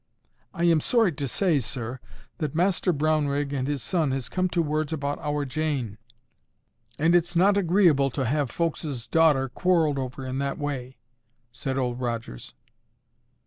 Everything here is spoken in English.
"I am sorry to say, sir, that Master Brownrigg and his son has come to words about our Jane; and it's not agreeable to have folk's daughter quarrelled over in that way," said Old Rogers.